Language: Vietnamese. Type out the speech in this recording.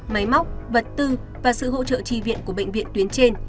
máy móc vật tư và sự hỗ trợ tri viện của bệnh viện tuyến trên